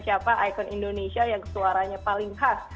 siapa ikon indonesia yang suaranya paling khas